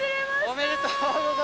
おめでとうございます！